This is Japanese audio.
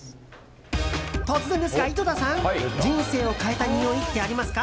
突然ですが井戸田さん人生を変えたにおいってありますか？